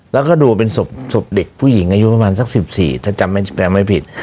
แล้วก็ดูเป็นศพเด็กผู้หญิงอายุประมาณสัก๑๔ถ้าจำแปลไม่ผิด